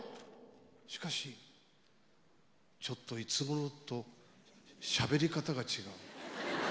しかしちょっといつものとしゃべり方が違う。